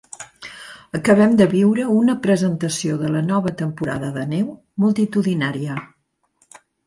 Acabem de viure una presentació de la nova temporada de neu multitudinària.